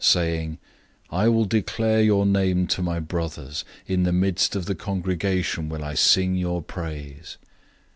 "}, 002:012 saying, "I will declare your name to my brothers. In the midst of the congregation I will sing your praise."